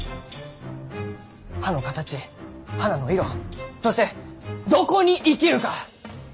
葉の形花の色そしてどこに生きるか！